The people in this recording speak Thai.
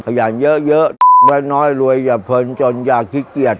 ขยันเยอะและน้อยรวยอย่าเพลินจนอย่าขี้เกียจ